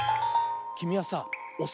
きみはさおす